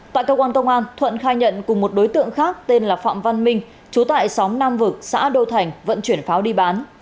tại cơ quan công an thuận khai nhận cùng một đối tượng khác tên là phạm văn minh chú tại xóm nam vực xã đô thành vận chuyển pháo đi bán